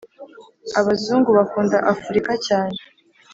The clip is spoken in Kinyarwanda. abazungu bakunda afurika cyane